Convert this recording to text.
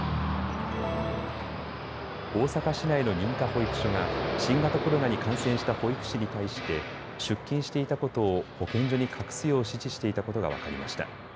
大阪市内の認可保育所が新型コロナに感染した保育士に対して出勤していたことを保健所に隠すよう指示していたことが分かりました。